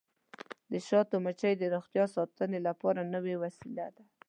د شاتو مچۍ د روغتیا ساتنې لپاره نوې وسیله ده.